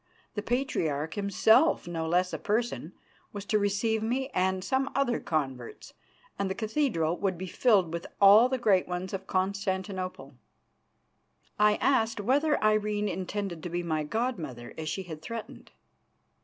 The Patriarch himself, no less a person, was to receive me and some other converts, and the cathedral would be filled with all the great ones of Constantinople. I asked whether Irene intended to be my god mother, as she had threatened.